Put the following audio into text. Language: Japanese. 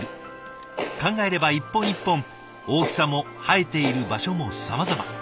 考えれば一本一本大きさも生えている場所もさまざま。